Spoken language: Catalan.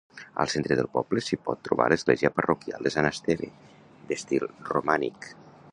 Al centre del poble s'hi pot trobar l'església parroquial de Sant Esteve, d'estil romànic.